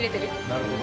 なるほど。